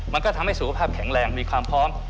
มันก็ทำให้สุขภาพแข็งแรงมีความพร้อม